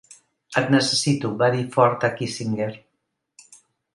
"Et necessito" va dir Ford a Kissinger.